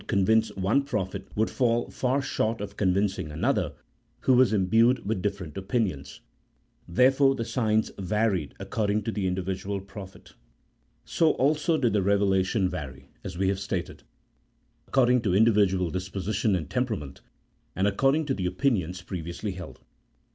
convince one prophet would fall far short of convincing another who was imbued with different opinions. There fore the signs varied according to the individual prophet. So also did the revelation vary, as we have stated, according to individual disposition and temperament, and according to the opinions previously held.